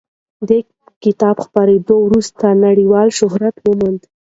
د کتاب خپرېدو وروسته نړیوال شهرت وموند.